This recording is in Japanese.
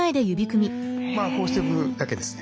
まあこうしておくだけですね。